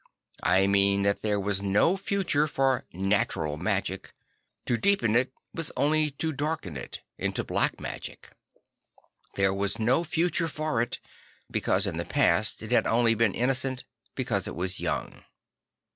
I mean that there was no future for II natural magic"; to deepen it was only to 'I he IV orld St. Francis F OU1ld 3 I darken it into black magic. There was no future for it; because in the past it had only been innocent because it was young.